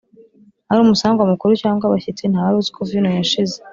Ari umusangwa mukuru cyangwa abashyitsi nta wari uzi ko vino yashize